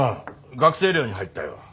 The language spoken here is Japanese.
学生寮に入ったよ。